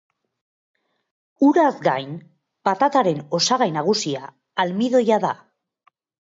Uraz gain, patataren osagai nagusia almidoia da.